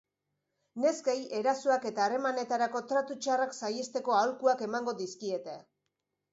Neskei erasoak eta harremanetarako tratu txarrak saihesteko aholkuak emango dizkiete.